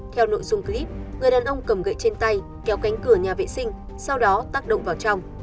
theo nội dung clip người đàn ông cầm gậy trên tay kéo cánh cửa nhà vệ sinh sau đó tác động vào trong